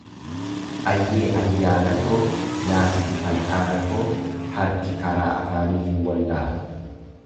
Ayyee ayyaana koo naa fidi fal'aana koo harki karaa afaanii hin wallaalu.